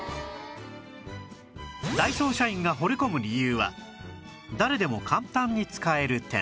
ダイソー社員が惚れ込む理由は誰でも簡単に使える点